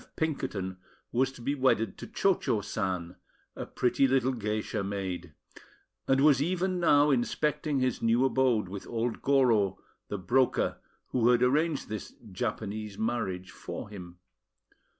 F. Pinkerton, was to be wedded to Cho Cho San, a pretty little geisha maid, and was even now inspecting his new abode with old Goro, the broker, who had arranged this "Japanese Marriage" for him.